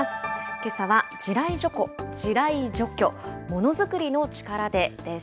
けさは地雷除去、ものづくりの力でです。